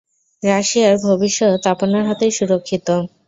রাশিয়ার ভবিষ্যৎ আপনার হাতেই সুরক্ষিত!